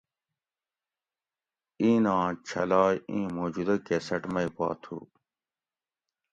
ایناں چھلائ ایں موجودہ کیسٹ مئ پا تھو